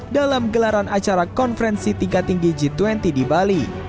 dalam gelaran acara konferensi tingkat tinggi g dua puluh di bali